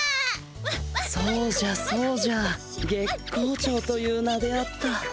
そうじゃそうじゃ月光町という名であった。